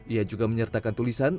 ia juga menyertakan tulisan